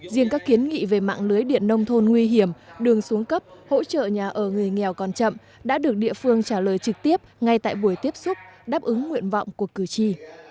riêng các kiến nghị về mạng lưới điện nông thôn nguy hiểm đường xuống cấp hỗ trợ nhà ở người nghèo còn chậm đã được địa phương trả lời trực tiếp ngay tại buổi tiếp xúc đáp ứng nguyện vọng của cử tri